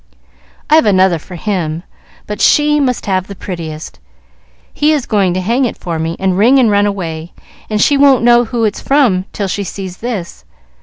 "I've another for him, but she must have the prettiest. He is going to hang it for me, and ring and run away, and she won't know who it's from till she sees this.